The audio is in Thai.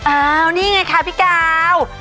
อ้าวนี่ไงค่ะพี่กาว